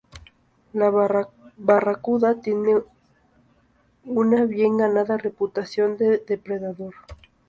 La barracuda tiene una bien ganada reputación de depredador.